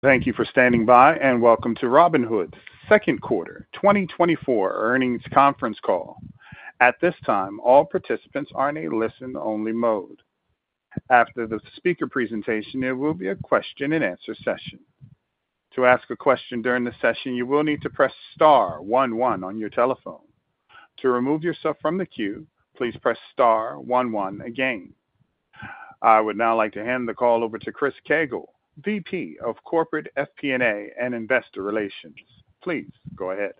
Thank you for standing by, and welcome to Robinhood's second quarter 2024 earnings conference call. At this time, all participants are in a listen-only mode. After the speaker presentation, there will be a question-and-answer session. To ask a question during the session, you will need to press star one one on your telephone. To remove yourself from the queue, please press star one one again. I would now like to hand the call over to Chris Koegel, VP of Corporate FP&A and Investor Relations. Please go ahead.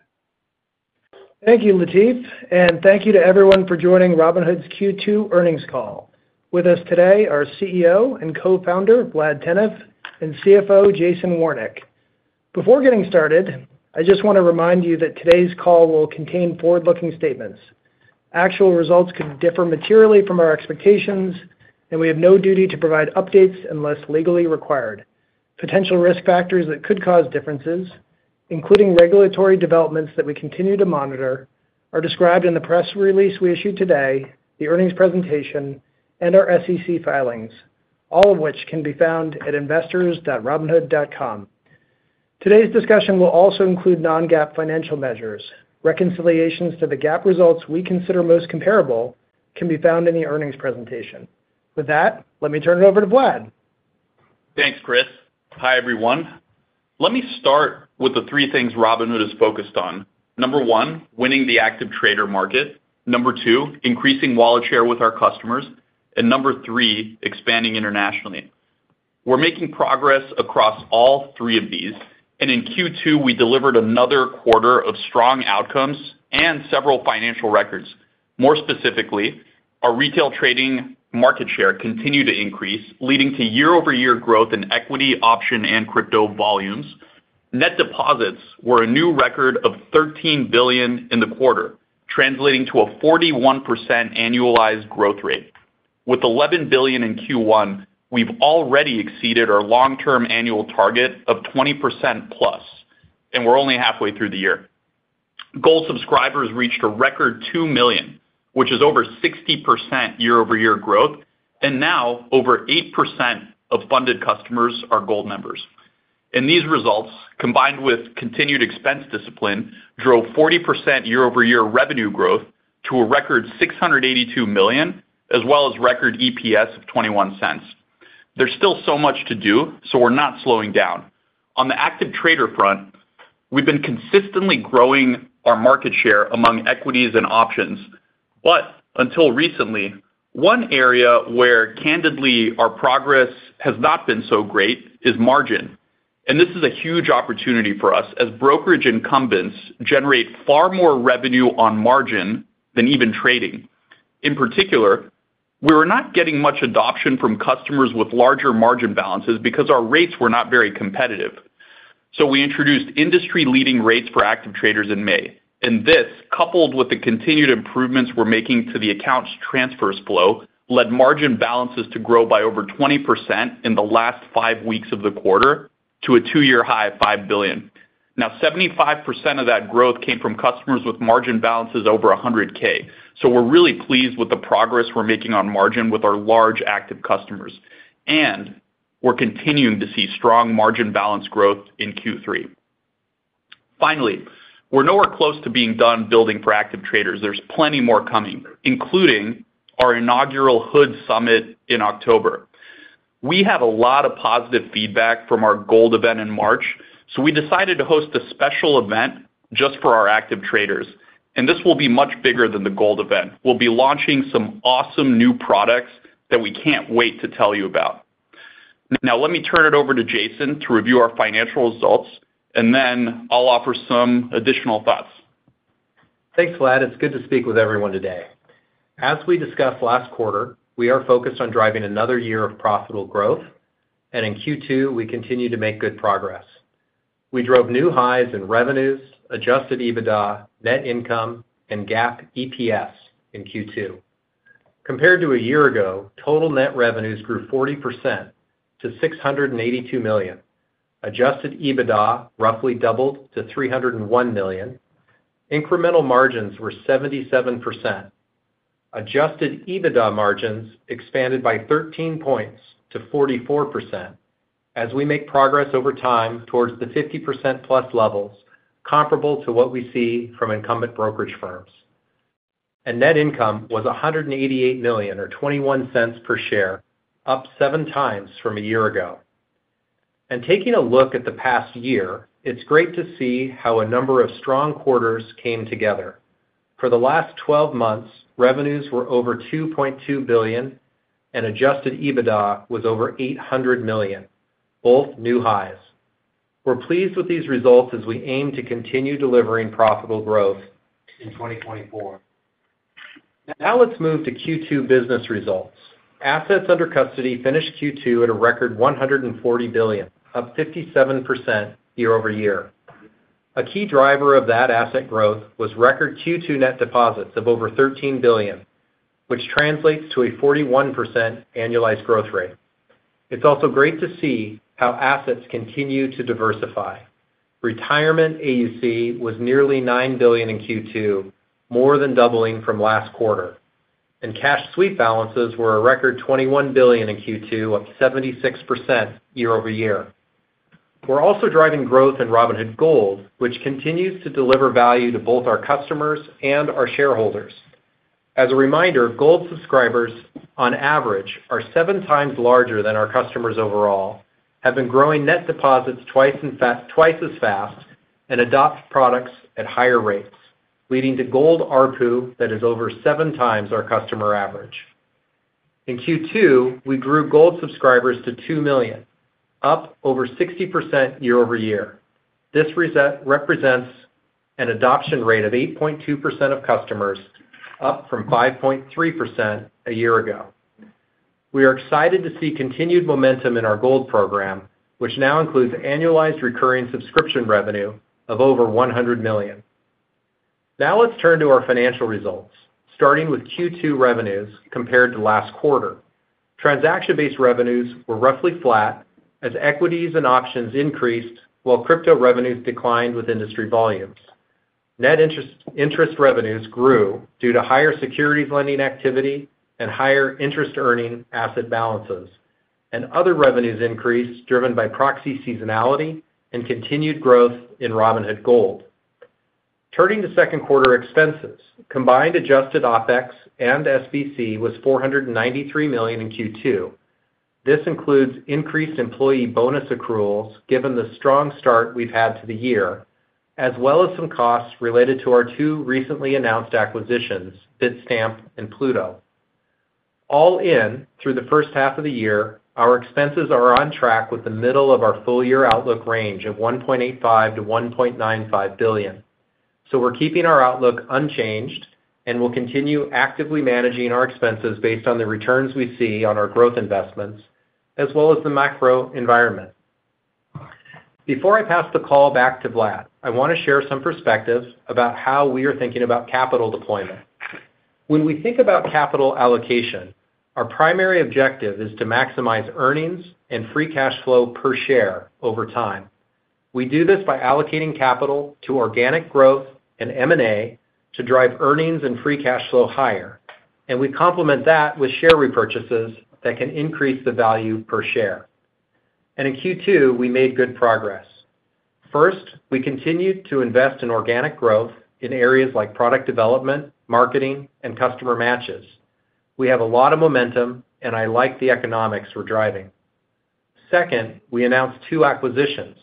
Thank you, Latif, and thank you to everyone for joining Robinhood's Q2 earnings call. With us today are CEO and co-founder Vlad Tenev and CFO Jason Warnick. Before getting started, I just want to remind you that today's call will contain forward-looking statements. Actual results could differ materially from our expectations, and we have no duty to provide updates unless legally required. Potential risk factors that could cause differences, including regulatory developments that we continue to monitor, are described in the press release we issued today, the earnings presentation, and our SEC filings, all of which can be found at investors.robinhood.com. Today's discussion will also include non-GAAP financial measures. Reconciliations to the GAAP results we consider most comparable can be found in the earnings presentation. With that, let me turn it over to Vlad. Thanks, Chris. Hi, everyone. Let me start with the three things Robinhood has focused on. Number one, winning the active trader market. Number two, increasing wallet share with our customers. Number three, expanding internationally. We're making progress across all three of these. In Q2, we delivered another quarter of strong outcomes and several financial records. More specifically, our retail trading market share continued to increase, leading to year-over-year growth in equity, option, and crypto volumes. Net deposits were a new record of $13 billion in the quarter, translating to a 41% annualized growth rate. With $11 billion in Q1, we've already exceeded our long-term annual target of 20% plus, and we're only halfway through the year. Gold subscribers reached a record 2 million, which is over 60% year-over-year growth, and now over 8% of funded customers are Gold members. These results, combined with continued expense discipline, drove 40% year-over-year revenue growth to a record $682 million, as well as record EPS of $0.21. There's still so much to do, so we're not slowing down. On the active trader front, we've been consistently growing our market share among equities and options. But until recently, one area where, candidly, our progress has not been so great is margin. And this is a huge opportunity for us, as brokerage incumbents generate far more revenue on margin than even trading. In particular, we were not getting much adoption from customers with larger margin balances because our rates were not very competitive. So we introduced industry-leading rates for active traders in May. This, coupled with the continued improvements we're making to the accounts transfers flow, led margin balances to grow by over 20% in the last 5 weeks of the quarter to a 2-year high of $5 billion. Now, 75% of that growth came from customers with margin balances over $100K. We're really pleased with the progress we're making on margin with our large active customers. We're continuing to see strong margin balance growth in Q3. Finally, we're nowhere close to being done building for active traders. There's plenty more coming, including our inaugural HOOD Summit in October. We have a lot of positive feedback from our Gold event in March, so we decided to host a special event just for our active traders. This will be much bigger than the Gold event. We'll be launching some awesome new products that we can't wait to tell you about. Now, let me turn it over to Jason to review our financial results, and then I'll offer some additional thoughts. Thanks, Vlad. It's good to speak with everyone today. As we discussed last quarter, we are focused on driving another year of profitable growth. In Q2, we continue to make good progress. We drove new highs in revenues, Adjusted EBITDA, net income, and GAAP EPS in Q2. Compared to a year ago, total net revenues grew 40% to $682 million. Adjusted EBITDA roughly doubled to $301 million. Incremental margins were 77%. Adjusted EBITDA margins expanded by 13 points to 44% as we make progress over time towards the 50% plus levels, comparable to what we see from incumbent brokerage firms. Net income was $188 million, or $0.21 per share, up seven times from a year ago. Taking a look at the past year, it's great to see how a number of strong quarters came together. For the last 12 months, revenues were over $2.2 billion, and Adjusted EBITDA was over $800 million, both new highs. We're pleased with these results as we aim to continue delivering profitable growth in 2024. Now, let's move to Q2 business results. Assets under custody finished Q2 at a record $140 billion, up 57% year-over-year. A key driver of that asset growth was record Q2 net deposits of over $13 billion, which translates to a 41% annualized growth rate. It's also great to see how assets continue to diversify. Retirement AUC was nearly $9 billion in Q2, more than doubling from last quarter. And cash sweep balances were a record $21 billion in Q2, up 76% year-over-year. We're also driving growth in Robinhood Gold, which continues to deliver value to both our customers and our shareholders. As a reminder, Gold subscribers, on average, are seven times larger than our customers overall, have been growing net deposits twice as fast and adopt products at higher rates, leading to Gold ARPU that is over seven times our customer average. In Q2, we grew Gold subscribers to 2 million, up over 60% year-over-year. This represents an adoption rate of 8.2% of customers, up from 5.3% a year ago. We are excited to see continued momentum in our Gold program, which now includes annualized recurring subscription revenue of over $100 million. Now, let's turn to our financial results, starting with Q2 revenues compared to last quarter. Transaction-based revenues were roughly flat as equities and options increased, while crypto revenues declined with industry volumes. Net interest revenues grew due to higher securities lending activity and higher interest-earning asset balances. Other revenues increased driven by proxy seasonality and continued growth in Robinhood Gold. Turning to second quarter expenses, combined adjusted OPEX and SBC was $493 million in Q2. This includes increased employee bonus accruals given the strong start we've had to the year, as well as some costs related to our two recently announced acquisitions, Bitstamp and Pluto. All in, through the first half of the year, our expenses are on track with the middle of our full-year outlook range of $1.85-$1.95 billion. So we're keeping our outlook unchanged, and we'll continue actively managing our expenses based on the returns we see on our growth investments, as well as the macro environment. Before I pass the call back to Vlad, I want to share some perspectives about how we are thinking about capital deployment. When we think about capital allocation, our primary objective is to maximize earnings and free cash flow per share over time. We do this by allocating capital to organic growth and M&A to drive earnings and free cash flow higher. We complement that with share repurchases that can increase the value per share. In Q2, we made good progress. First, we continued to invest in organic growth in areas like product development, marketing, and customer matches. We have a lot of momentum, and I like the economics we're driving. Second, we announced two acquisitions.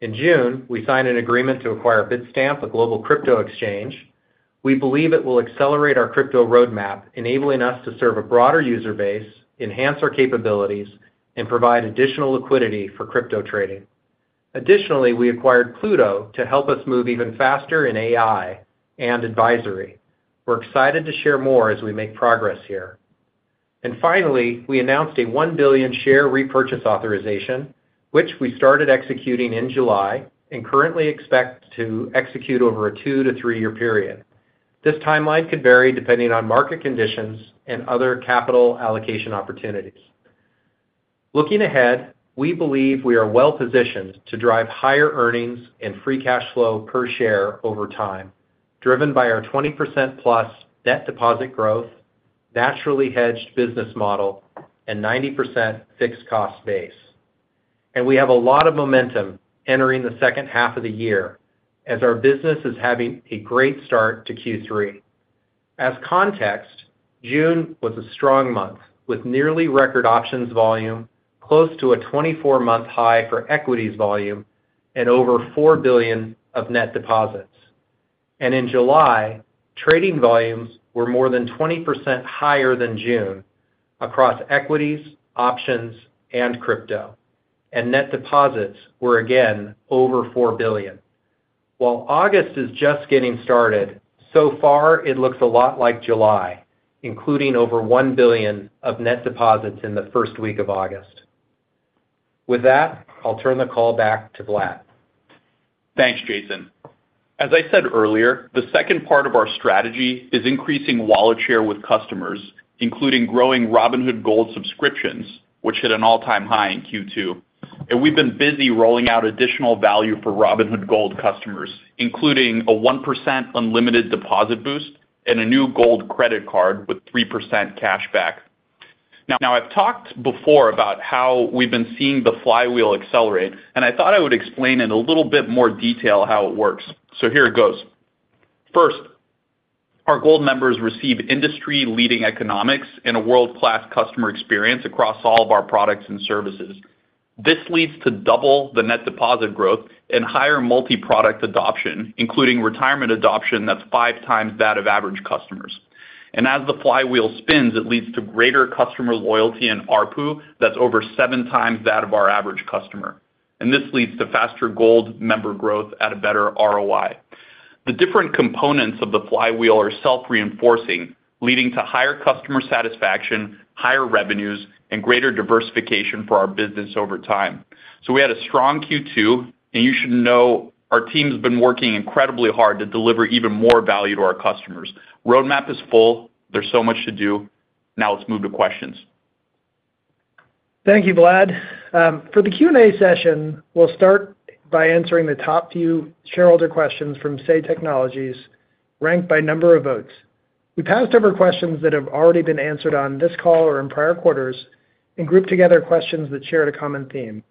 In June, we signed an agreement to acquire Bitstamp, a global crypto exchange. We believe it will accelerate our crypto roadmap, enabling us to serve a broader user base, enhance our capabilities, and provide additional liquidity for crypto trading. Additionally, we acquired Pluto to help us move even faster in AI and advisory. We're excited to share more as we make progress here. Finally, we announced a $1 billion share repurchase authorization, which we started executing in July and currently expect to execute over a 2-3-year period. This timeline could vary depending on market conditions and other capital allocation opportunities. Looking ahead, we believe we are well-positioned to drive higher earnings and free cash flow per share over time, driven by our 20%+ net deposit growth, naturally hedged business model, and 90% fixed cost base. We have a lot of momentum entering the second half of the year as our business is having a great start to Q3. As context, June was a strong month with nearly record options volume, close to a 24-month high for equities volume, and over $4 billion of net deposits. In July, trading volumes were more than 20% higher than June across equities, options, and crypto. Net deposits were again over $4 billion. While August is just getting started, so far, it looks a lot like July, including over $1 billion of net deposits in the first week of August. With that, I'll turn the call back to Vlad. Thanks, Jason. As I said earlier, the second part of our strategy is increasing wallet share with customers, including growing Robinhood Gold subscriptions, which hit an all-time high in Q2. We've been busy rolling out additional value for Robinhood Gold customers, including a 1% unlimited deposit boost and a new Gold credit card with 3% cashback. Now, I've talked before about how we've been seeing the flywheel accelerate, and I thought I would explain in a little bit more detail how it works. Here it goes. First, our Gold members receive industry-leading economics and a world-class customer experience across all of our products and services. This leads to double the net deposit growth and higher multi-product adoption, including retirement adoption that's five times that of average customers. As the flywheel spins, it leads to greater customer loyalty and ARPU that's over seven times that of our average customer. This leads to faster Gold member growth at a better ROI. The different components of the flywheel are self-reinforcing, leading to higher customer satisfaction, higher revenues, and greater diversification for our business over time. We had a strong Q2, and you should know our team's been working incredibly hard to deliver even more value to our customers. Roadmap is full. There's so much to do. Now, let's move to questions. Thank you, Vlad. For the Q&A session, we'll start by answering the top few shareholder questions from Say Technologies ranked by number of votes. We passed over questions that have already been answered on this call or in prior quarters and grouped together questions that shared a common theme.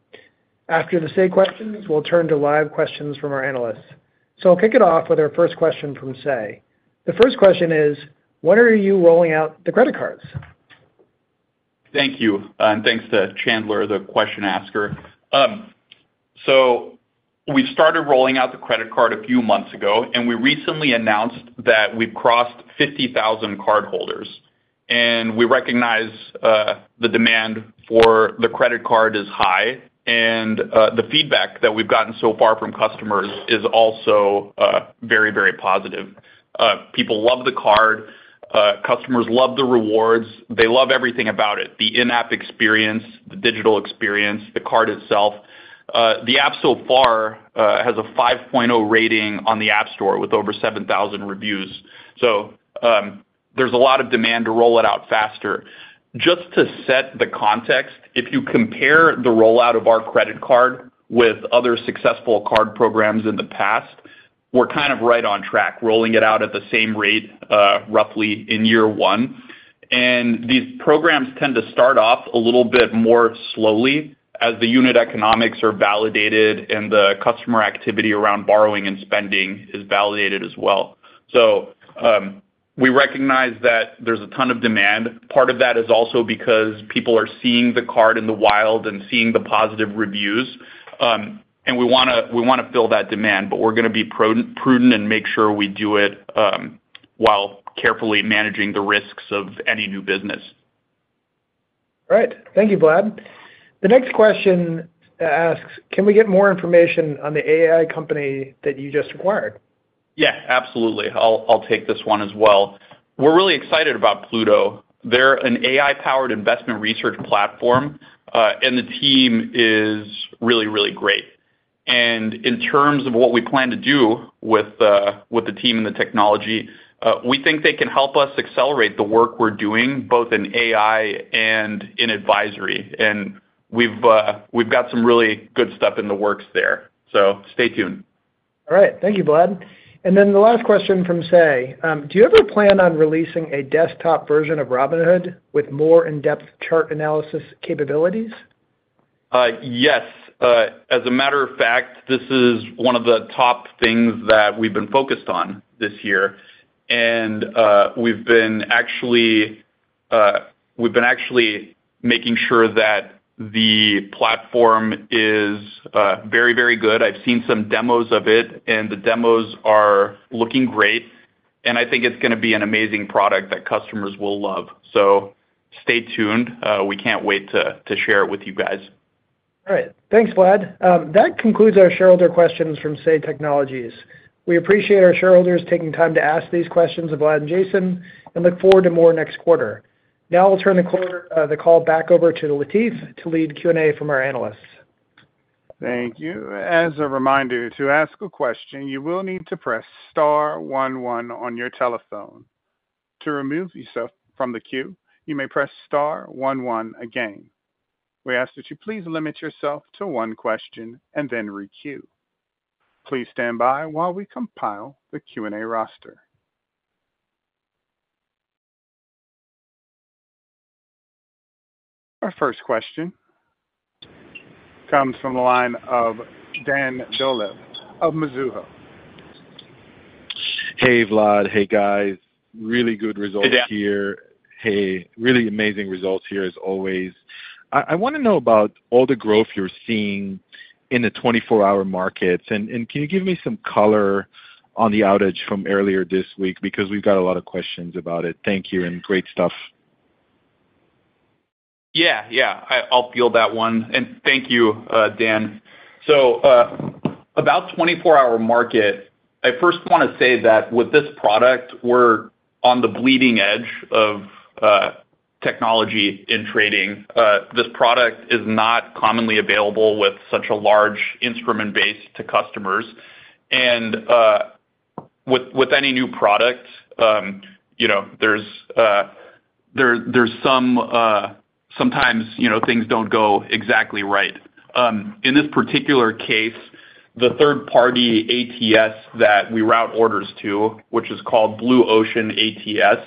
After the Say questions, we'll turn to live questions from our analysts. So I'll kick it off with our first question from Say. The first question is, when are you rolling out the credit cards? Thank you. Thanks to Chandler, the question asker. We started rolling out the credit card a few months ago, and we recently announced that we've crossed 50,000 cardholders. We recognize the demand for the credit card is high. The feedback that we've gotten so far from customers is also very, very positive. People love the card. Customers love the rewards. They love everything about it: the in-app experience, the digital experience, the card itself. The app so far has a 5.0 rating on the App Store with over 7,000 reviews. There's a lot of demand to roll it out faster. Just to set the context, if you compare the rollout of our credit card with other successful card programs in the past, we're kind of right on track, rolling it out at the same rate, roughly in year one. And these programs tend to start off a little bit more slowly as the unit economics are validated and the customer activity around borrowing and spending is validated as well. So we recognize that there's a ton of demand. Part of that is also because people are seeing the card in the wild and seeing the positive reviews. And we want to fill that demand, but we're going to be prudent and make sure we do it while carefully managing the risks of any new business. All right. Thank you, Vlad. The next question asks, can we get more information on the AI company that you just acquired? Yeah, absolutely. I'll take this one as well. We're really excited about Pluto. They're an AI-powered investment research platform, and the team is really, really great. In terms of what we plan to do with the team and the technology, we think they can help us accelerate the work we're doing, both in AI and in advisory. We've got some really good stuff in the works there. Stay tuned. All right. Thank you, Vlad. And then the last question from Say. Do you ever plan on releasing a desktop version of Robinhood with more in-depth chart analysis capabilities? Yes. As a matter of fact, this is one of the top things that we've been focused on this year. We've been actually making sure that the platform is very, very good. I've seen some demos of it, and the demos are looking great. I think it's going to be an amazing product that customers will love. So stay tuned. We can't wait to share it with you guys. All right. Thanks, Vlad. That concludes our shareholder questions from Say Technologies. We appreciate our shareholders taking time to ask these questions of Vlad and Jason and look forward to more next quarter. Now, I'll turn the call back over to Latif to lead Q&A from our analysts. Thank you. As a reminder, to ask a question, you will need to press star 11 on your telephone. To remove yourself from the queue, you may press star 11 again. We ask that you please limit yourself to one question and then re-queue. Please stand by while we compile the Q&A roster. Our first question comes from the line of Dan Dolev of Mizuho. Hey, Vlad. Hey, guys. Really good results here. Hey, really amazing results here, as always. I want to know about all the growth you're seeing in the 24 Hour Markets. And can you give me some color on the outage from earlier this week? Because we've got a lot of questions about it. Thank you. And great stuff. Yeah, yeah. I'll feel that one. And thank you, Dan. So about 24 Hour Market, I first want to say that with this product, we're on the bleeding edge of technology in trading. This product is not commonly available with such a large instrument base to customers. And with any new product, sometimes things don't go exactly right. In this particular case, the third-party ATS that we route orders to, which is called Blue Ocean ATS,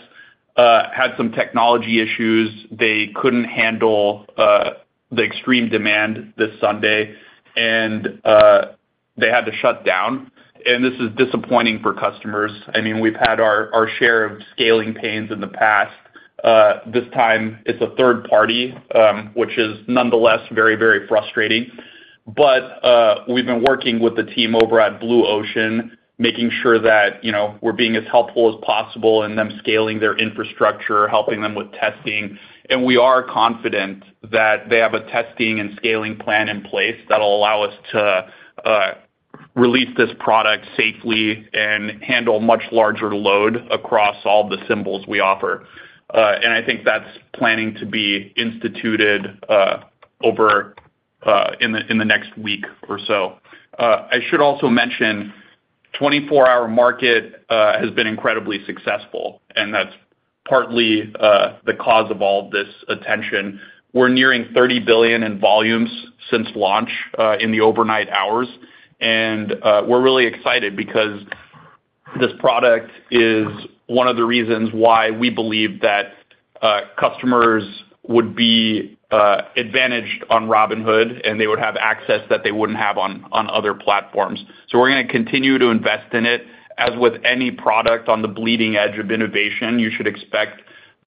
had some technology issues. They couldn't handle the extreme demand this Sunday, and they had to shut down. And this is disappointing for customers. I mean, we've had our share of scaling pains in the past. This time, it's a third party, which is nonetheless very, very frustrating. But we've been working with the team over at Blue Ocean, making sure that we're being as helpful as possible in them scaling their infrastructure, helping them with testing. And we are confident that they have a testing and scaling plan in place that'll allow us to release this product safely and handle much larger load across all the symbols we offer. And I think that's planning to be instituted over in the next week or so. I should also mention 24 Hour Market has been incredibly successful, and that's partly the cause of all this attention. We're nearing $30 billion in volumes since launch in the overnight hours. And we're really excited because this product is one of the reasons why we believe that customers would be advantaged on Robinhood, and they would have access that they wouldn't have on other platforms. So we're going to continue to invest in it. As with any product on the bleeding edge of innovation, you should expect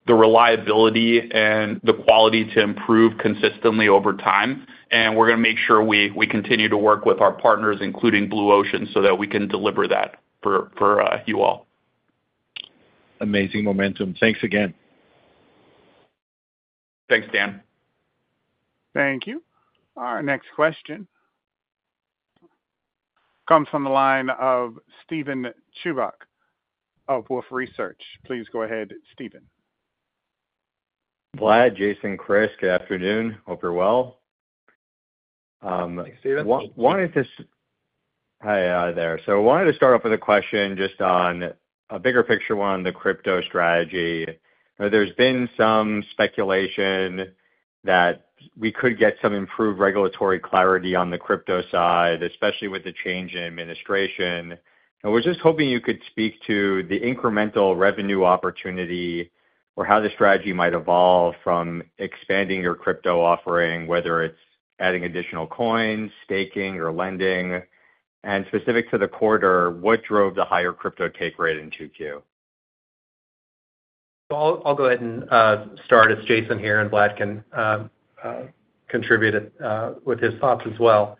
the reliability and the quality to improve consistently over time. And we're going to make sure we continue to work with our partners, including Blue Ocean, so that we can deliver that for you all. Amazing momentum. Thanks again. Thanks, Dan. Thank you. Our next question comes from the line of Steven Chubak of Wolfe Research. Please go ahead, Steven. Vlad, Jason, Chris, good afternoon. Hope you're well. Why is this? Hi, there. So I wanted to start off with a question just on a bigger picture on the crypto strategy. There's been some speculation that we could get some improved regulatory clarity on the crypto side, especially with the change in administration. And we're just hoping you could speak to the incremental revenue opportunity or how the strategy might evolve from expanding your crypto offering, whether it's adding additional coins, staking, or lending. And specific to the quarter, what drove the higher crypto take rate in 2Q? So I'll go ahead and start as Jason here, and Vlad can contribute with his thoughts as well.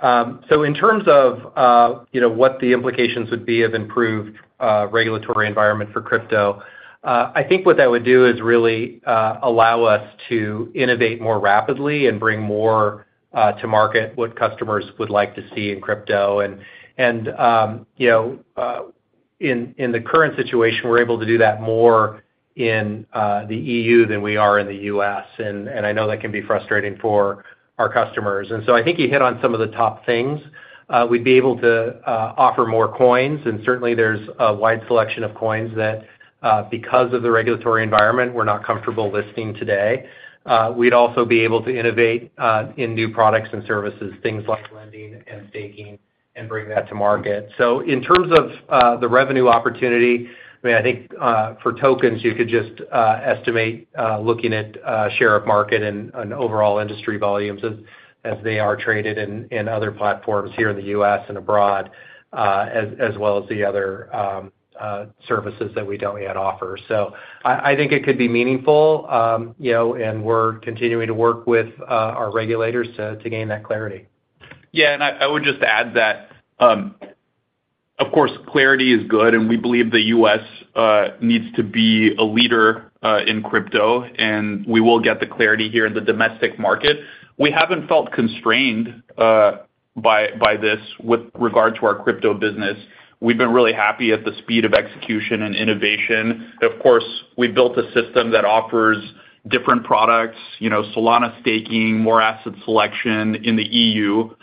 So in terms of what the implications would be of improved regulatory environment for crypto, I think what that would do is really allow us to innovate more rapidly and bring more to market what customers would like to see in crypto. And in the current situation, we're able to do that more in the E.U. than we are in the U.S. And I know that can be frustrating for our customers. And so I think you hit on some of the top things. We'd be able to offer more coins. And certainly, there's a wide selection of coins that, because of the regulatory environment, we're not comfortable listing today. We'd also be able to innovate in new products and services, things like lending and staking, and bring that to market. So in terms of the revenue opportunity, I mean, I think for tokens, you could just estimate looking at share of market and overall industry volumes as they are traded in other platforms here in the U.S. and abroad, as well as the other services that we don't yet offer. So I think it could be meaningful, and we're continuing to work with our regulators to gain that clarity. Yeah. I would just add that, of course, clarity is good, and we believe the U.S. needs to be a leader in crypto, and we will get the clarity here in the domestic market. We haven't felt constrained by this with regard to our crypto business. We've been really happy at the speed of execution and innovation. Of course, we've built a system that offers different products, Solana staking, more asset selection in the E.U.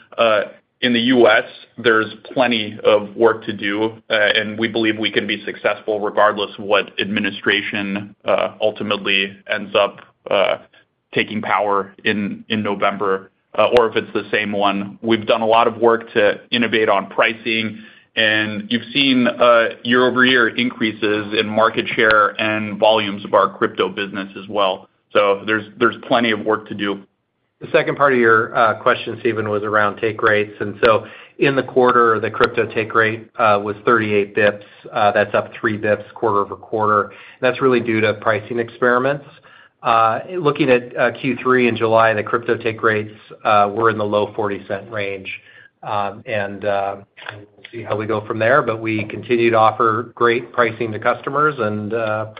In the U.S., there's plenty of work to do, and we believe we can be successful regardless of what administration ultimately ends up taking power in November or if it's the same one. We've done a lot of work to innovate on pricing, and you've seen year-over-year increases in market share and volumes of our crypto business as well. There's plenty of work to do. The second part of your question, Steven, was around take rates. So in the quarter, the crypto take rate was 38 bps. That's up 3 bps quarter-over-quarter. That's really due to pricing experiments. Looking at Q3 in July, the crypto take rates were in the low 40s range. We'll see how we go from there. But we continue to offer great pricing to customers and are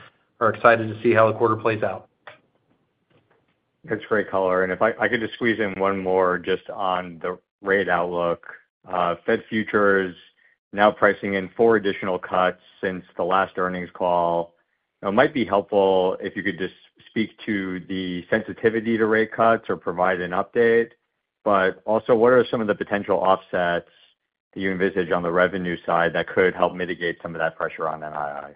excited to see how the quarter plays out. That's great, color. If I could just squeeze in one more just on the rate outlook. Fed futures now pricing in 4 additional cuts since the last earnings call. It might be helpful if you could just speak to the sensitivity to rate cuts or provide an update. But also, what are some of the potential offsets that you envisage on the revenue side that could help mitigate some of that pressure on NII?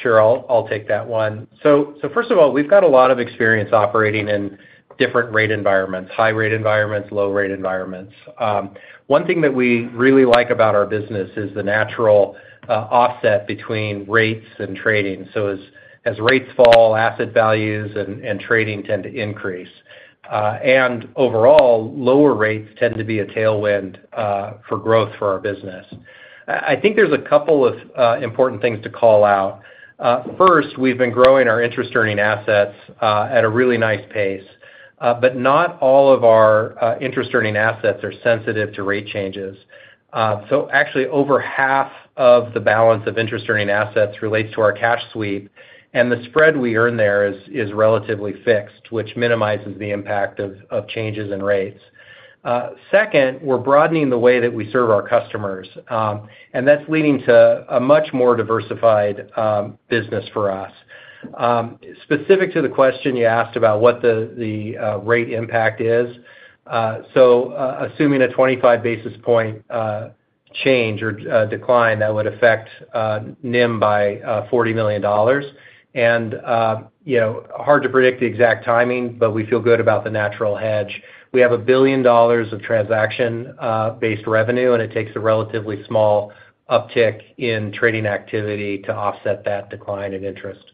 Sure. I'll take that one. So first of all, we've got a lot of experience operating in different rate environments: high-rate environments, low-rate environments. One thing that we really like about our business is the natural offset between rates and trading. So as rates fall, asset values and trading tend to increase. And overall, lower rates tend to be a tailwind for growth for our business. I think there's a couple of important things to call out. First, we've been growing our interest-earning assets at a really nice pace. But not all of our interest-earning assets are sensitive to rate changes. So actually, over half of the balance of interest-earning assets relates to our cash sweep, and the spread we earn there is relatively fixed, which minimizes the impact of changes in rates. Second, we're broadening the way that we serve our customers, and that's leading to a much more diversified business for us. Specific to the question you asked about what the rate impact is, so assuming a 25 basis point change or decline that would affect NIM by $40 million. And hard to predict the exact timing, but we feel good about the natural hedge. We have $1 billion of transaction-based revenue, and it takes a relatively small uptick in trading activity to offset that decline in interest.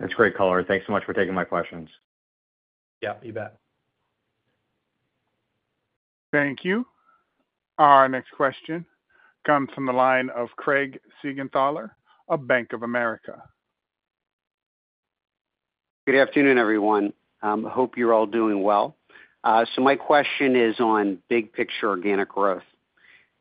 That's great, color. Thanks so much for taking my questions. Yeah, you bet. Thank you. Our next question comes from the line of Craig Siegenthaler of Bank of America. Good afternoon, everyone. I hope you're all doing well. So my question is on big picture organic growth.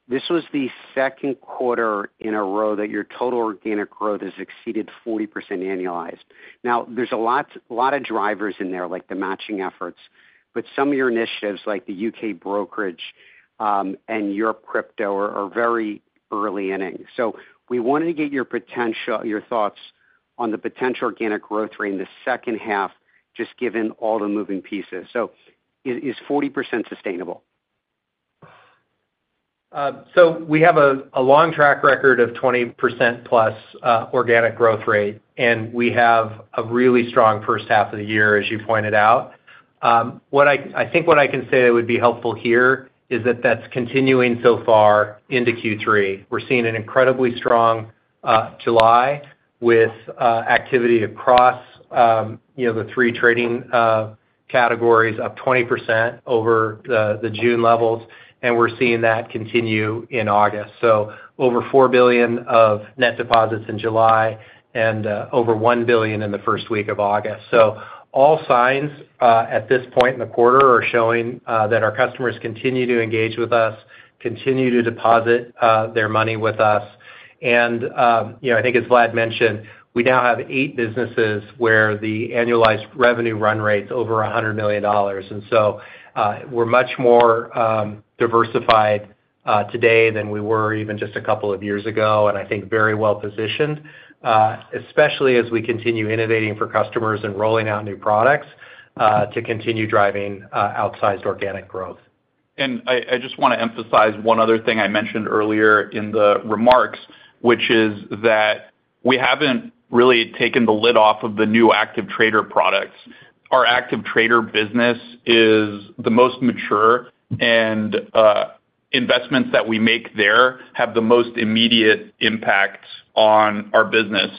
This was the second quarter in a row that your total organic growth has exceeded 40% annualized. Now, there's a lot of drivers in there, like the matching efforts, but some of your initiatives, like the U.K. brokerage and your crypto, are very early inning. So we wanted to get your thoughts on the potential organic growth rate in the second half, just given all the moving pieces. So is 40% sustainable? So we have a long track record of 20%+ organic growth rate, and we have a really strong first half of the year, as you pointed out. I think what I can say that would be helpful here is that that's continuing so far into Q3. We're seeing an incredibly strong July with activity across the three trading categories up 20% over the June levels, and we're seeing that continue in August. So over $4 billion of net deposits in July and over $1 billion in the first week of August. So all signs at this point in the quarter are showing that our customers continue to engage with us, continue to deposit their money with us. And I think, as Vlad mentioned, we now have eight businesses where the annualized revenue run rate's over $100 million. And so we're much more diversified today than we were even just a couple of years ago, and I think very well positioned, especially as we continue innovating for customers and rolling out new products to continue driving outsized organic growth. And I just want to emphasize one other thing I mentioned earlier in the remarks, which is that we haven't really taken the lid off of the new active trader products. Our active trader business is the most mature, and investments that we make there have the most immediate impact on our business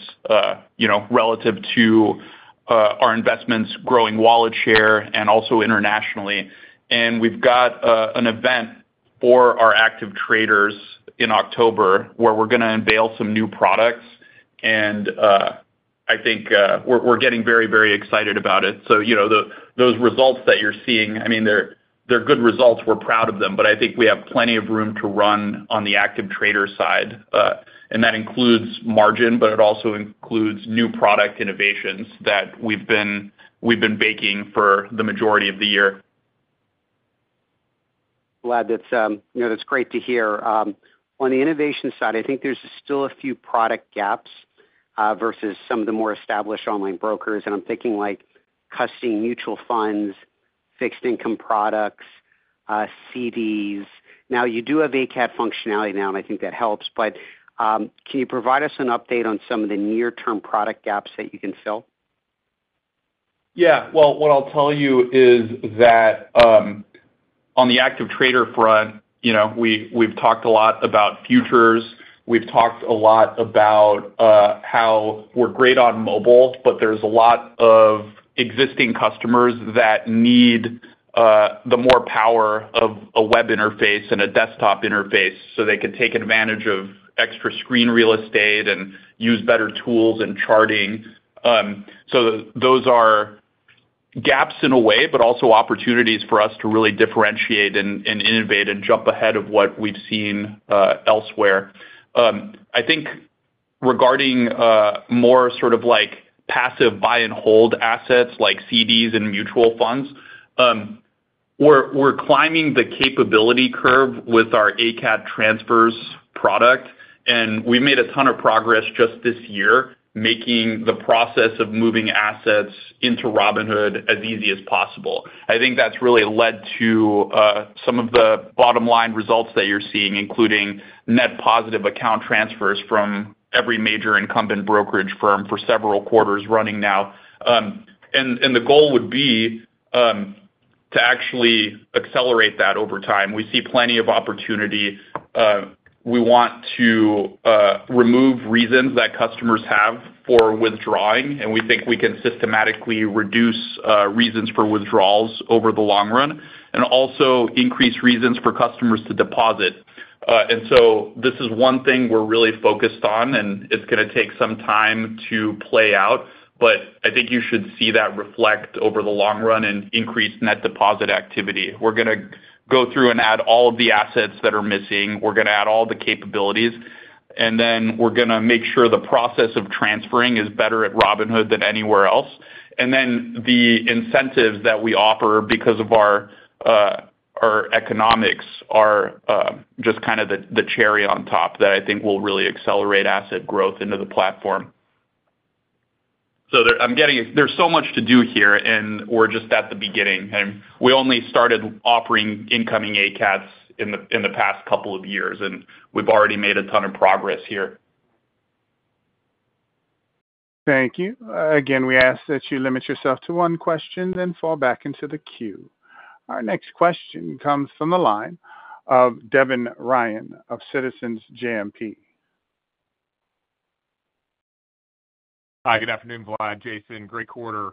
relative to our investments, growing wallet share, and also internationally. And we've got an event for our active traders in October where we're going to unveil some new products, and I think we're getting very, very excited about it. So those results that you're seeing, I mean, they're good results. We're proud of them, but I think we have plenty of room to run on the active trader side. And that includes margin, but it also includes new product innovations that we've been baking for the majority of the year. Vlad, that's great to hear. On the innovation side, I think there's still a few product gaps versus some of the more established online brokers. I'm thinking like custody mutual funds, fixed income products, CDs. Now, you do have ACAT functionality now, and I think that helps. But can you provide us an update on some of the near-term product gaps that you can fill? Yeah. Well, what I'll tell you is that on the active trader front, we've talked a lot about futures. We've talked a lot about how we're great on mobile, but there's a lot of existing customers that need the more power of a web interface and a desktop interface so they can take advantage of extra screen real estate and use better tools and charting. So those are gaps in a way, but also opportunities for us to really differentiate and innovate and jump ahead of what we've seen elsewhere. I think regarding more sort of like passive buy-and-hold assets like CDs and mutual funds, we're climbing the capability curve with our ACAT transfers product. And we've made a ton of progress just this year making the process of moving assets into Robinhood as easy as possible. I think that's really led to some of the bottom-line results that you're seeing, including net positive account transfers from every major incumbent brokerage firm for several quarters running now. And the goal would be to actually accelerate that over time. We see plenty of opportunity. We want to remove reasons that customers have for withdrawing, and we think we can systematically reduce reasons for withdrawals over the long run and also increase reasons for customers to deposit. And so this is one thing we're really focused on, and it's going to take some time to play out, but I think you should see that reflect over the long run and increase net deposit activity. We're going to go through and add all of the assets that are missing. We're going to add all the capabilities, and then we're going to make sure the process of transferring is better at Robinhood than anywhere else. And then the incentives that we offer because of our economics are just kind of the cherry on top that I think will really accelerate asset growth into the platform. So I'm getting there's so much to do here, and we're just at the beginning. And we only started offering incoming ACATS in the past couple of years, and we've already made a ton of progress here. Thank you. Again, we ask that you limit yourself to one question and then fall back into the queue. Our next question comes from the line of Devin Ryan of Citizens JMP. Hi, good afternoon, Vlad, Jason, great quarter.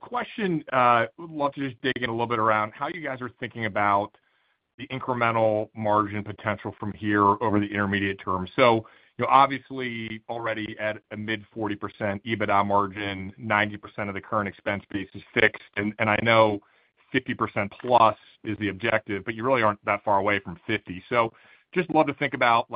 Question I'd love to just dig in a little bit around how you guys are thinking about the incremental margin potential from here over the intermediate term. So obviously, already at a mid-40% EBITDA margin, 90% of the current expense base is fixed, and I know 50%+ is the objective, but you really aren't that far away from 50%. So just love to think about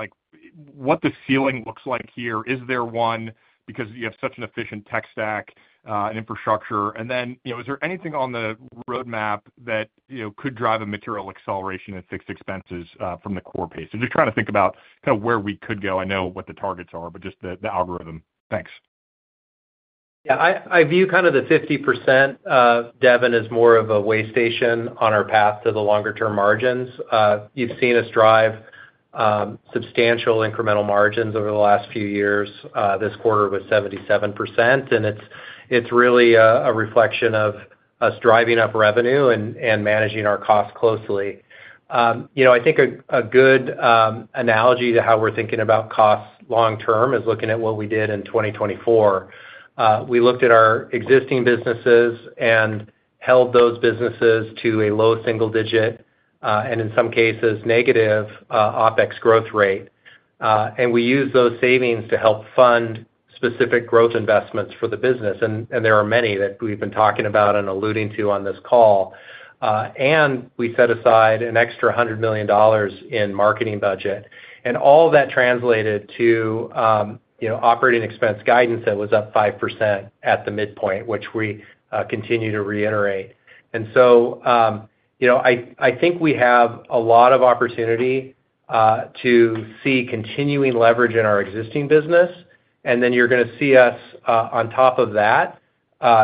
what the ceiling looks like here. Is there one? Because you have such an efficient tech stack and infrastructure. And then is there anything on the roadmap that could drive a material acceleration in fixed expenses from the core pace? So just trying to think about kind of where we could go. I know what the targets are, but just the algorithm. Thanks. Yeah. I view kind of the 50%, Devin, as more of a waystation on our path to the longer-term margins. You've seen us drive substantial incremental margins over the last few years. This quarter was 77%, and it's really a reflection of us driving up revenue and managing our costs closely. I think a good analogy to how we're thinking about costs long-term is looking at what we did in 2024. We looked at our existing businesses and held those businesses to a low single-digit and, in some cases, negative OPEX growth rate. And we used those savings to help fund specific growth investments for the business. And there are many that we've been talking about and alluding to on this call. And we set aside an extra $100 million in marketing budget. All of that translated to operating expense guidance that was up 5% at the midpoint, which we continue to reiterate. So I think we have a lot of opportunity to see continuing leverage in our existing business, and then you're going to see us, on top of that,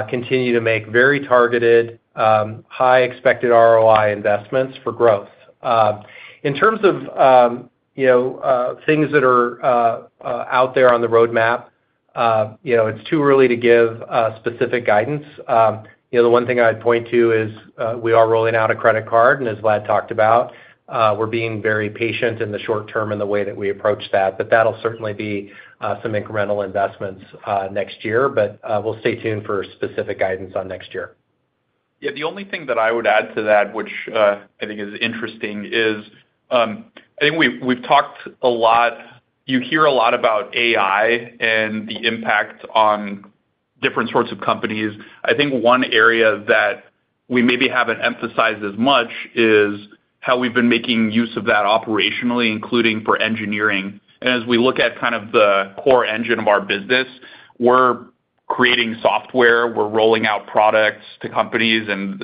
continue to make very targeted, high-expected ROI investments for growth. In terms of things that are out there on the roadmap, it's too early to give specific guidance. The one thing I'd point to is we are rolling out a credit card, and as Vlad talked about, we're being very patient in the short term in the way that we approach that. But that'll certainly be some incremental investments next year, but we'll stay tuned for specific guidance on next year. Yeah. The only thing that I would add to that, which I think is interesting, is I think we've talked a lot. You hear a lot about AI and the impact on different sorts of companies. I think one area that we maybe haven't emphasized as much is how we've been making use of that operationally, including for engineering. And as we look at kind of the core engine of our business, we're creating software. We're rolling out products to companies, and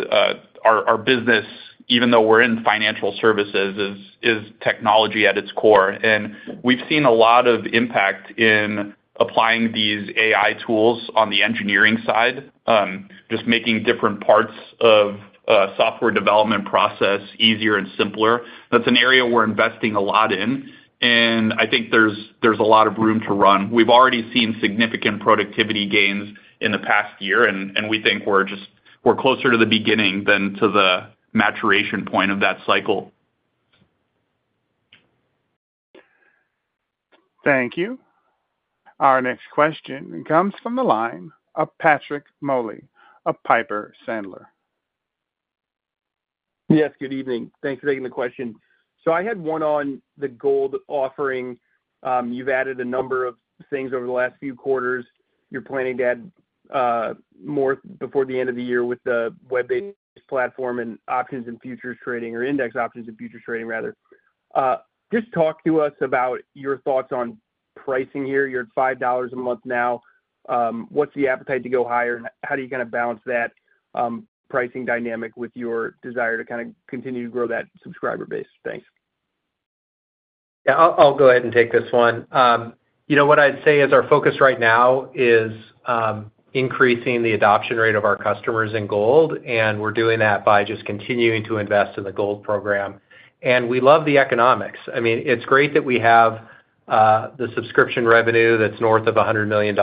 our business, even though we're in financial services, is technology at its core. And we've seen a lot of impact in applying these AI tools on the engineering side, just making different parts of the software development process easier and simpler. That's an area we're investing a lot in, and I think there's a lot of room to run. We've already seen significant productivity gains in the past year, and we think we're closer to the beginning than to the maturation point of that cycle. Thank you. Our next question comes from the line of Patrick Moley of Piper Sandler. Yes, good evening. Thanks for taking the question. So I had one on the Gold offering. You've added a number of things over the last few quarters. You're planning to add more before the end of the year with the web-based platform and options and futures trading, or index options and futures trading, rather. Just talk to us about your thoughts on pricing here. You're at $5 a month now. What's the appetite to go higher, and how do you kind of balance that pricing dynamic with your desire to kind of continue to grow that subscriber base? Thanks. Yeah. I'll go ahead and take this one. What I'd say is our focus right now is increasing the adoption rate of our customers in Gold, and we're doing that by just continuing to invest in the Gold Program. And we love the economics. I mean, it's great that we have the subscription revenue that's north of $100 million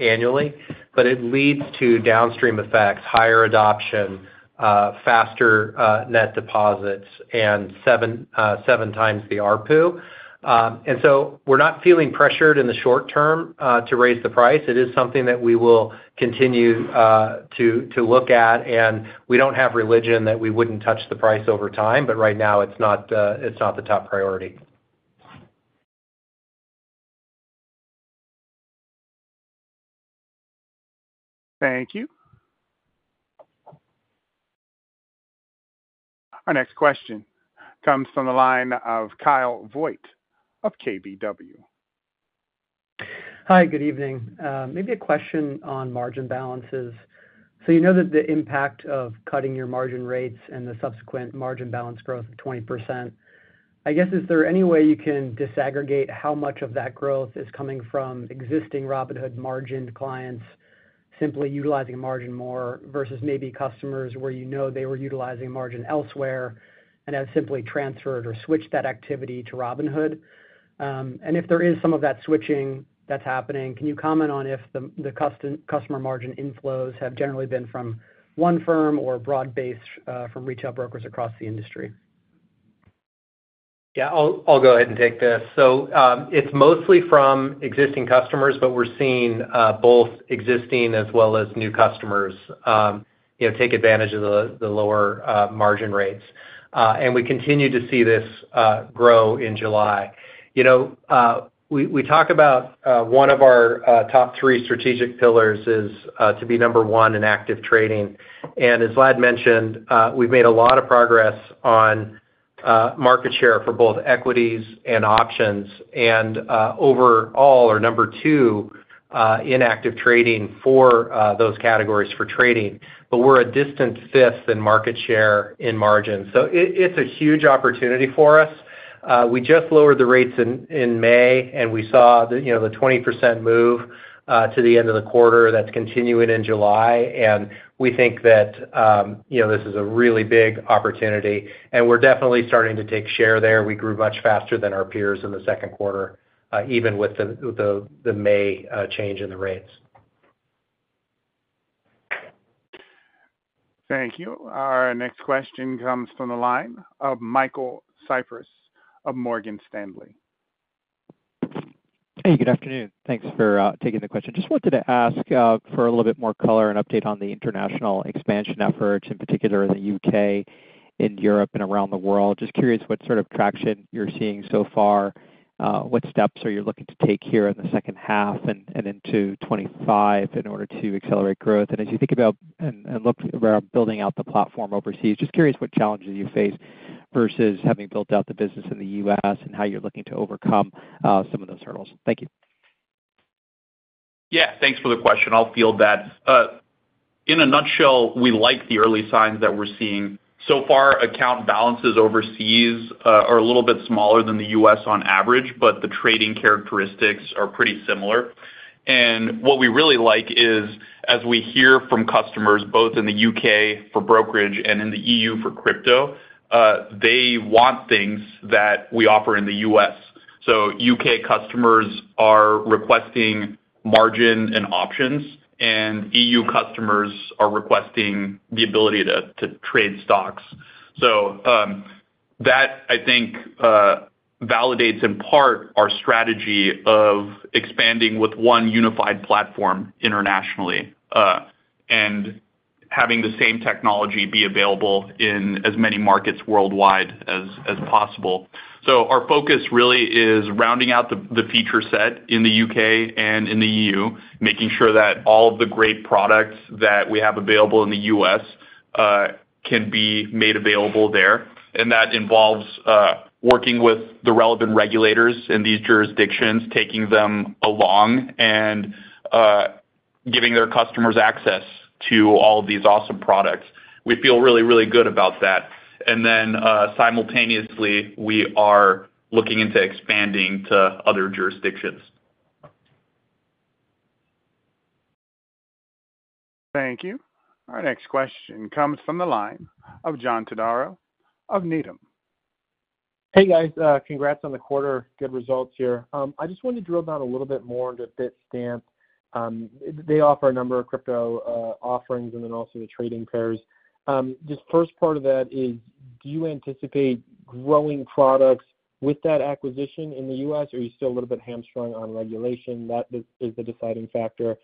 annually, but it leads to downstream effects: higher adoption, faster net deposits, and seven times the RPU. And so we're not feeling pressured in the short term to raise the price. It is something that we will continue to look at, and we don't have religion that we wouldn't touch the price over time, but right now, it's not the top priority. Thank you. Our next question comes from the line of Kyle Voigt of KBW. Hi, good evening. Maybe a question on margin balances. So you know that the impact of cutting your margin rates and the subsequent margin balance growth of 20%, I guess, is there any way you can disaggregate how much of that growth is coming from existing Robinhood margin clients simply utilizing a margin more versus maybe customers where you know they were utilizing a margin elsewhere and have simply transferred or switched that activity to Robinhood? And if there is some of that switching that's happening, can you comment on if the customer margin inflows have generally been from one firm or broad-based from retail brokers across the industry? Yeah. I'll go ahead and take this. So it's mostly from existing customers, but we're seeing both existing as well as new customers take advantage of the lower margin rates. And we continue to see this grow in July. We talk about one of our top three strategic pillars is to be number one in active trading. And as Vlad mentioned, we've made a lot of progress on market share for both equities and options, and overall, we're number two in active trading for those categories for trading, but we're a distant fifth in market share in margin. So it's a huge opportunity for us. We just lowered the rates in May, and we saw the 20% move to the end of the quarter that's continuing in July. And we think that this is a really big opportunity, and we're definitely starting to take share there. We grew much faster than our peers in the second quarter, even with the May change in the rates. Thank you. Our next question comes from the line of Michael Cyprys of Morgan Stanley. Hey, good afternoon. Thanks for taking the question. Just wanted to ask for a little bit more color and update on the international expansion efforts, in particular in the UK, in Europe, and around the world. Just curious what sort of traction you're seeing so far, what steps are you looking to take here in the second half and into 2025 in order to accelerate growth? And as you think about and look around building out the platform overseas, just curious what challenges you face versus having built out the business in the U.S. and how you're looking to overcome some of those hurdles. Thank you. Yeah. Thanks for the question. I'll field that. In a nutshell, we like the early signs that we're seeing. So far, account balances overseas are a little bit smaller than the U.S. on average, but the trading characteristics are pretty similar. And what we really like is, as we hear from customers both in the U.K. for brokerage and in the EU for crypto, they want things that we offer in the US. So U.K. customers are requesting margin and options, and EU customers are requesting the ability to trade stocks. So that, I think, validates in part our strategy of expanding with one unified platform internationally and having the same technology be available in as many markets worldwide as possible. So our focus really is rounding out the feature set in the U.K. and in the E.U., making sure that all of the great products that we have available in the U.S. can be made available there. And that involves working with the relevant regulators in these jurisdictions, taking them along, and giving their customers access to all of these awesome products. We feel really, really good about that. And then simultaneously, we are looking into expanding to other jurisdictions. Thank you. Our next question comes from the line of John Todaro of Needham. Hey, guys. Congrats on the quarter. Good results here. I just wanted to drill down a little bit more into Bitstamp. They offer a number of crypto offerings and then also the trading pairs. Just first part of that is, do you anticipate growing products with that acquisition in the U.S., or are you still a little bit hamstrung on regulation? That is the deciding factor.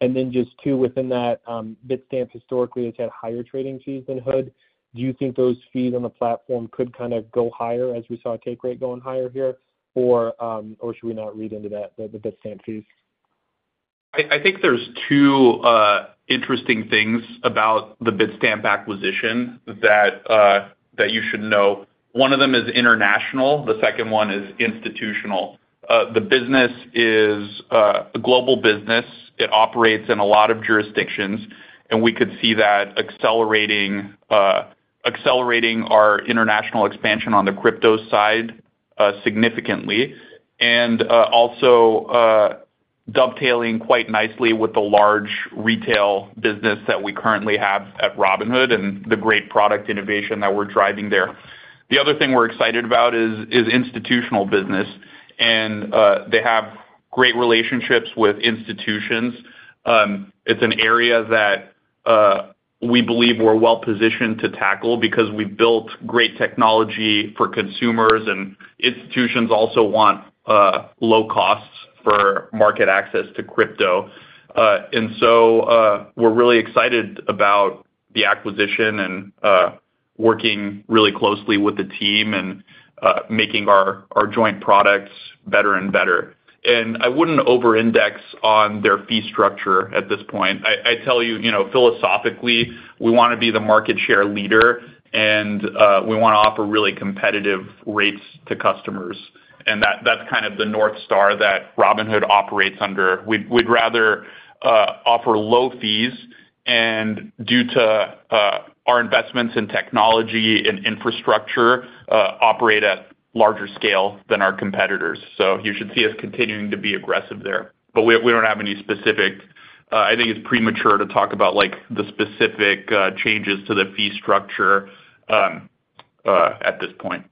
And then just two, within that, Bitstamp historically has had higher trading fees than Hood. Do you think those fees on the platform could kind of go higher as we saw a take rate going higher here, or should we not read into the Bitstamp fees? I think there's two interesting things about the Bitstamp acquisition that you should know. One of them is international. The second one is institutional. The business is a global business. It operates in a lot of jurisdictions, and we could see that accelerating our international expansion on the crypto side significantly and also dovetailing quite nicely with the large retail business that we currently have at Robinhood and the great product innovation that we're driving there. The other thing we're excited about is institutional business, and they have great relationships with institutions. It's an area that we believe we're well-positioned to tackle because we've built great technology for consumers, and institutions also want low costs for market access to crypto. And so we're really excited about the acquisition and working really closely with the team and making our joint products better and better. I wouldn't over-index on their fee structure at this point. I tell you, philosophically, we want to be the market share leader, and we want to offer really competitive rates to customers. That's kind of the North Star that Robinhood operates under. We'd rather offer low fees and, due to our investments in technology and infrastructure, operate at larger scale than our competitors. You should see us continuing to be aggressive there. We don't have any specific; I think it's premature to talk about the specific changes to the fee structure at this point.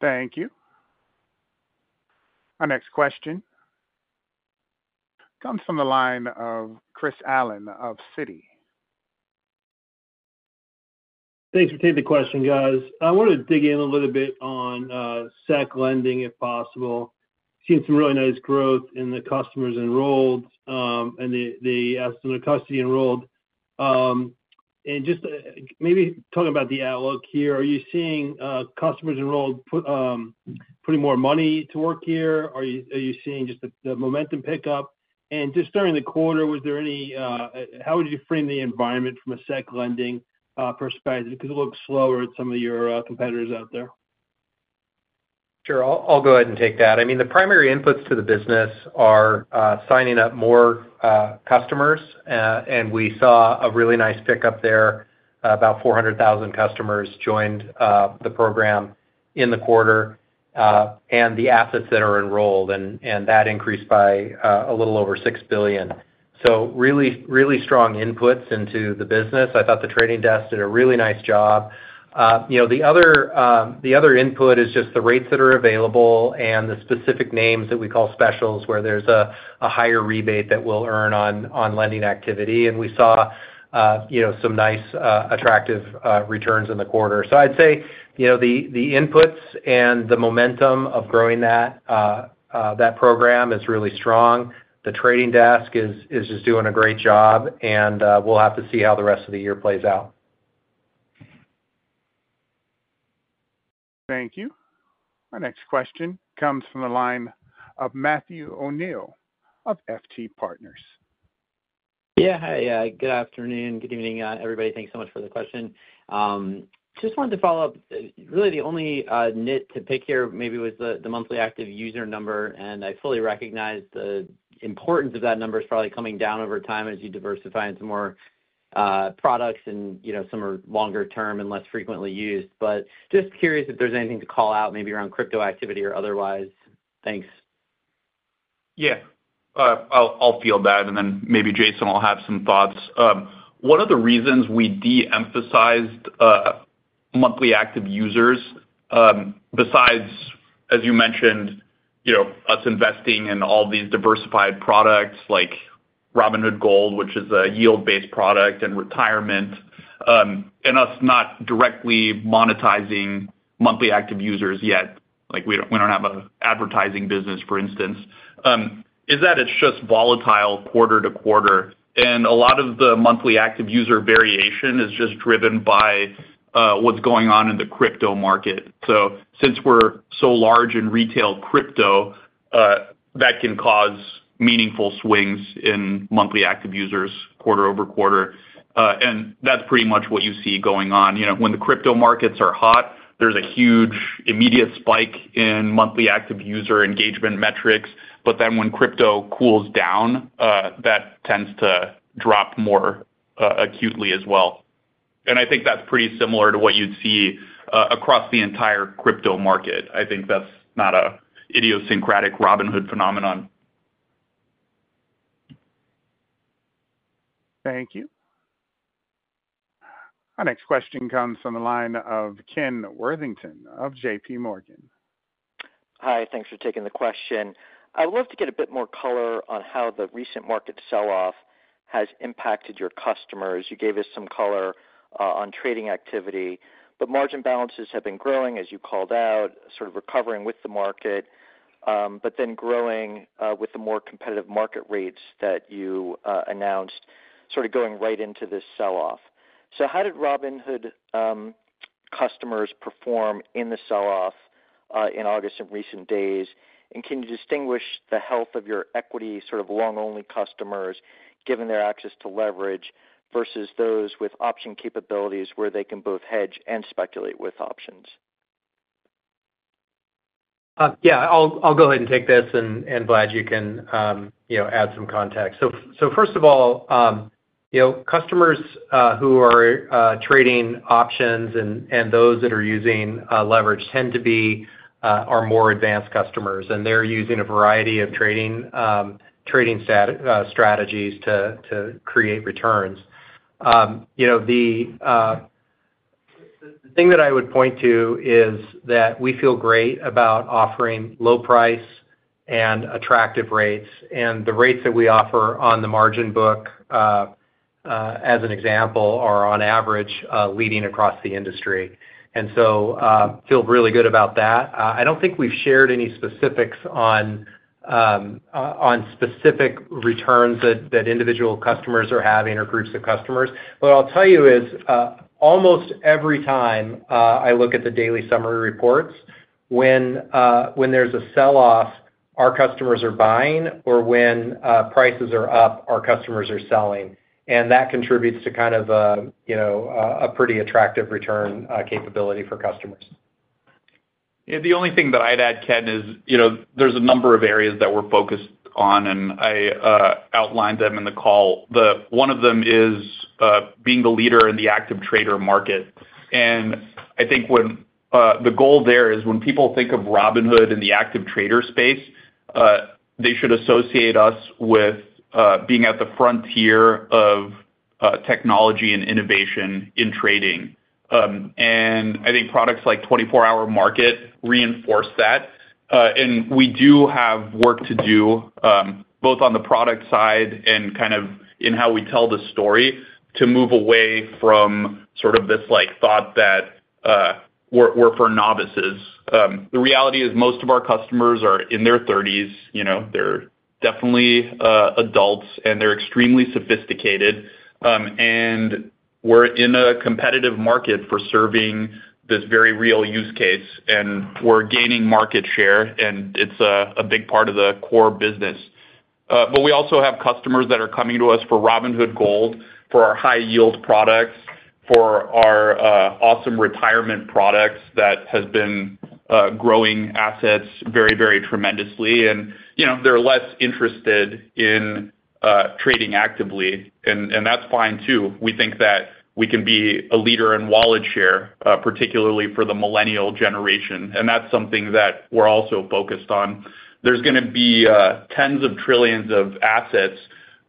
Thank you. Our next question comes from the line of Chris Allen of Citi. Thanks for taking the question, guys. I wanted to dig in a little bit on SEC lending, if possible. Seen some really nice growth in the customers enrolled, and the assets under custody enrolled. And just maybe talking about the outlook here, are you seeing customers enrolled putting more money to work here? Are you seeing just the momentum pickup? And just during the quarter, was there any, how would you frame the environment from a SEC lending perspective? Because it looks slower at some of your competitors out there. Sure. I'll go ahead and take that. I mean, the primary inputs to the business are signing up more customers, and we saw a really nice pickup there. About 400,000 customers joined the program in the quarter, and the assets that are enrolled, and that increased by a little over $6 billion. So really strong inputs into the business. I thought the trading desk did a really nice job. The other input is just the rates that are available and the specific names that we call specials, where there's a higher rebate that we'll earn on lending activity. And we saw some nice, attractive returns in the quarter. So I'd say the inputs and the momentum of growing that program is really strong. The trading desk is just doing a great job, and we'll have to see how the rest of the year plays out. Thank you. Our next question comes from the line of Matthew O'Neill of FT Partners. Yeah. Hi. Good afternoon. Good evening, everybody. Thanks so much for the question. Just wanted to follow up. Really, the only nit to pick here maybe was the monthly active user number, and I fully recognize the importance of that number is probably coming down over time as you diversify into more products and some are longer term and less frequently used. But just curious if there's anything to call out maybe around crypto activity or otherwise. Thanks. Yeah. I'll field that, and then maybe Jason will have some thoughts. One of the reasons we de-emphasized monthly active users, besides, as you mentioned, us investing in all these diversified products like Robinhood Gold, which is a yield-based product and retirement, and us not directly monetizing monthly active users yet—we don't have an advertising business, for instance—is that it's just volatile quarter to quarter. A lot of the monthly active user variation is just driven by what's going on in the crypto market. So since we're so large in retail crypto, that can cause meaningful swings in monthly active users quarter over quarter. That's pretty much what you see going on. When the crypto markets are hot, there's a huge immediate spike in monthly active user engagement metrics, but then when crypto cools down, that tends to drop more acutely as well. I think that's pretty similar to what you'd see across the entire crypto market. I think that's not an idiosyncratic Robinhood phenomenon. Thank you. Our next question comes from the line of Ken Worthington of JPMorgan. Hi. Thanks for taking the question. I would love to get a bit more color on how the recent market sell-off has impacted your customers. You gave us some color on trading activity, but margin balances have been growing, as you called out, sort of recovering with the market, but then growing with the more competitive market rates that you announced, sort of going right into this sell-off. So how did Robinhood customers perform in the sell-off in August in recent days? And can you distinguish the health of your equity sort of long-only customers, given their access to leverage, versus those with option capabilities where they can both hedge and speculate with options? Yeah. I'll go ahead and take this, and Vlad, you can add some context. So first of all, customers who are trading options and those that are using leverage tend to be our more advanced customers, and they're using a variety of trading strategies to create returns. The thing that I would point to is that we feel great about offering low-price and attractive rates, and the rates that we offer on the margin book, as an example, are on average leading across the industry. And so I feel really good about that. I don't think we've shared any specifics on specific returns that individual customers are having or groups of customers. But what I'll tell you is almost every time I look at the daily summary reports, when there's a sell-off, our customers are buying, or when prices are up, our customers are selling. That contributes to kind of a pretty attractive return capability for customers. The only thing that I'd add, Ken, is there's a number of areas that we're focused on, and I outlined them in the call. One of them is being the leader in the active trader market. I think the goal there is when people think of Robinhood and the active trader space, they should associate us with being at the frontier of technology and innovation in trading. I think products like 24 Hour Market reinforce that. We do have work to do both on the product side and kind of in how we tell the story to move away from sort of this thought that we're for novices. The reality is most of our customers are in their 30s. They're definitely adults, and they're extremely sophisticated. We're in a competitive market for serving this very real use case, and we're gaining market share, and it's a big part of the core business. But we also have customers that are coming to us for Robinhood Gold, for our high-yield products, for our awesome retirement products that have been growing assets very, very tremendously. And they're less interested in trading actively, and that's fine too. We think that we can be a leader in wallet share, particularly for the millennial generation, and that's something that we're also focused on. There's going to be tens of trillions of assets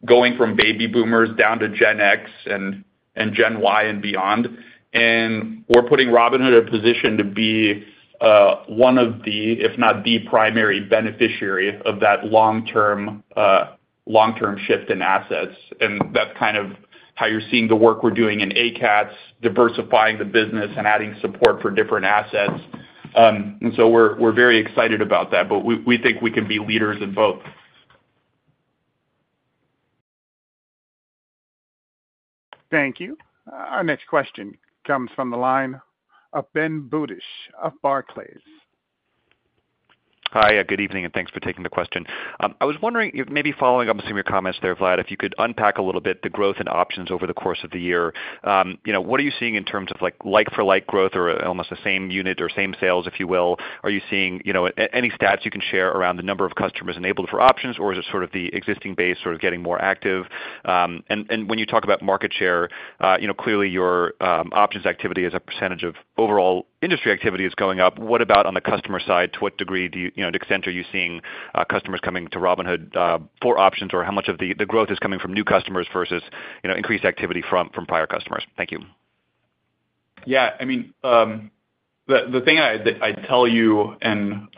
going from baby boomers down to Gen X and Gen Y and beyond. And we're putting Robinhood in a position to be one of the, if not the primary beneficiary of that long-term shift in assets. That's kind of how you're seeing the work we're doing in ACATS, diversifying the business and adding support for different assets. So we're very excited about that, but we think we can be leaders in both. Thank you. Our next question comes from the line of Ben Budish of Barclays. Hi. Good evening, and thanks for taking the question. I was wondering, maybe following up on some of your comments there, Vlad, if you could unpack a little bit the growth in options over the course of the year. What are you seeing in terms of like-for-like growth or almost the same unit or same sales, if you will? Are you seeing any stats you can share around the number of customers enabled for options, or is it sort of the existing base sort of getting more active? And when you talk about market share, clearly your options activity as a percentage of overall industry activity is going up. What about on the customer side? To what degree, to the extent are you seeing customers coming to Robinhood for options, or how much of the growth is coming from new customers versus increased activity from prior customers? Thank you. Yeah. I mean, the thing I'd tell you, and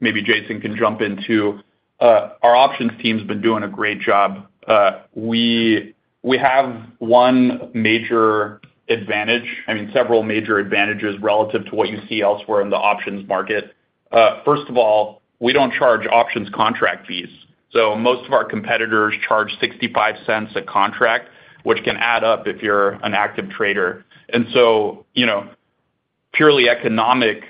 maybe Jason can jump in too, our options team's been doing a great job. We have one major advantage, I mean, several major advantages relative to what you see elsewhere in the options market. First of all, we don't charge options contract fees. So most of our competitors charge $0.65 a contract, which can add up if you're an active trader. And so purely economic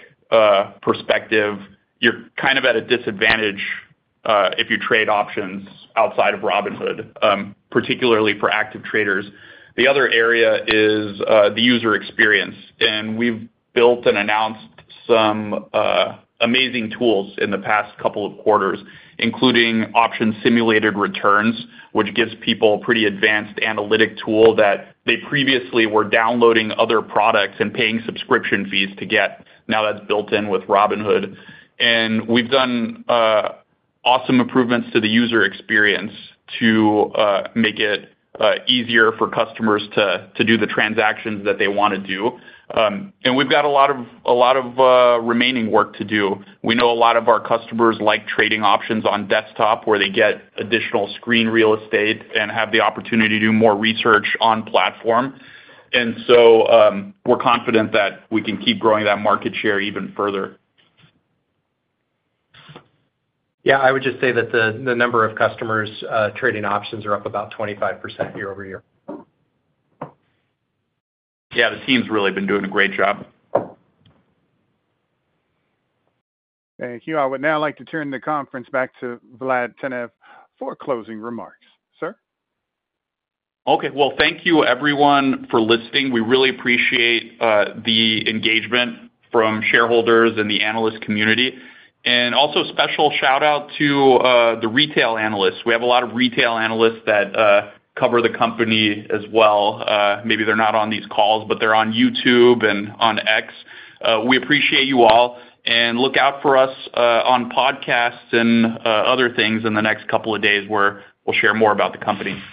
perspective, you're kind of at a disadvantage if you trade options outside of Robinhood, particularly for active traders. The other area is the user experience. And we've built and announced some amazing tools in the past couple of quarters, including Option Simulated Returns, which gives people a pretty advanced analytic tool that they previously were downloading other products and paying subscription fees to get. Now that's built in with Robinhood. We've done awesome improvements to the user experience to make it easier for customers to do the transactions that they want to do. We've got a lot of remaining work to do. We know a lot of our customers like trading options on desktop, where they get additional screen real estate and have the opportunity to do more research on platform. So we're confident that we can keep growing that market share even further. Yeah. I would just say that the number of customers trading options are up about 25% year-over-year. Yeah. The team's really been doing a great job. Thank you. I would now like to turn the conference back to Vlad Tenev for closing remarks. Sir? Okay. Well, thank you, everyone, for listening. We really appreciate the engagement from shareholders and the analyst community. And also special shout-out to the retail analysts. We have a lot of retail analysts that cover the company as well. Maybe they're not on these calls, but they're on YouTube and on X. We appreciate you all. And look out for us on podcasts and other things in the next couple of days where we'll share more about the company.